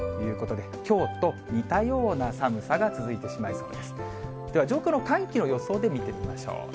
では、上空の寒気の予想で見てみましょう。